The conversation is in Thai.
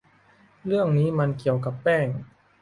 เรื่องนี้มันเกี่ยวกับแป้ง